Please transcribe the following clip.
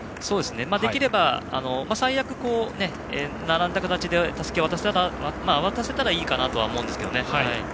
できれば最悪、並んだ形でたすきを渡せたらいいかなと思うんですけどね。